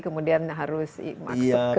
kemudian harus masuk ke